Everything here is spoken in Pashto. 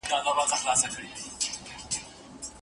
آیا بلوتوت تر وای فای کمزوری دی؟